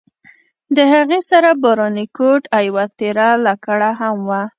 د هغې سره باراني کوټ او یوه تېره لکړه هم وه.